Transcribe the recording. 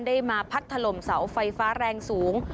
ได้มาพัดถล่มเสาไฟฟ้าแรงสูง